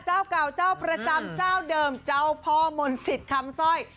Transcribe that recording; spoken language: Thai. เจ้าเก่าเจ้าประจำเจ้าเดิมเจ้าพ่อมนต์สิทธิ์คำสร้อย